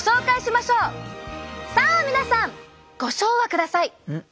さあ皆さんご唱和ください！